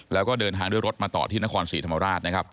แล้วก็เดินทางด้วยรถมาต่อที่นครศรีธรรมราชนะครับ